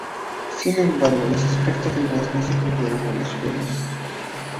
Sin embargo las expectativas no se cumplieron en los Juegos.